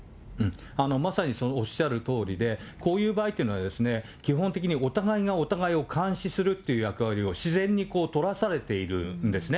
まさにおっしゃるとおりで、こういう場合っていうのはですね、基本的にお互いがお互いを監視するという役割を自然にこう、取らされているんですね。